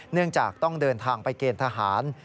เนื่องจากต้องเดินทางไปเกณฑ์ทหาร